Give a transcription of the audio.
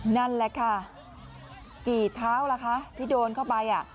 นั่นแหละค่ะกี่เท้าล่ะคะที่โดนเข้าไป